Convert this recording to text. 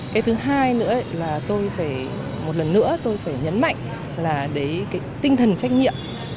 cái thứ hai nữa là tôi phải một lần nữa tôi phải nhấn mạnh là đấy cái tinh thần trách nhiệm